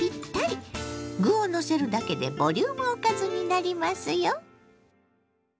具をのせるだけでボリュームおかずになりますよ。